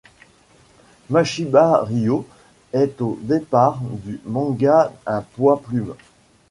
Mashiba Ryo est au départ du manga un poids plumes.